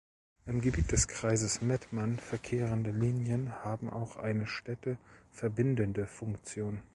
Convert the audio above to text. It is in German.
Im Gebiet des Kreises Mettmann verkehrende Linien haben auch eine Städte verbindende Funktion.